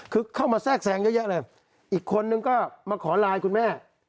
เดียวก็แสงเยอะแยะเลยอีกคนนึงก็มาขอไลน์คุณแม่